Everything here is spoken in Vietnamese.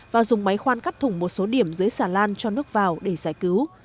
và dùng máy khoan cắt thủng một số điểm dưới xà lan cho nước vào để giải cứu